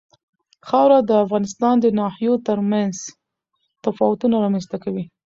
خاوره د افغانستان د ناحیو ترمنځ تفاوتونه رامنځ ته کوي.